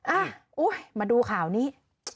อ่ะอุ๊ยมาดูข่าวนี้